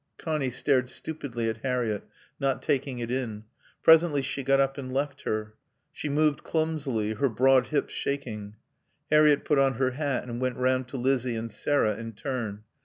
Connie stared stupidly at Harriett, not taking it in. Presently she got up and left her. She moved clumsily, her broad hips shaking. Harriett put on her hat and went round to Lizzie and Sarah in turn.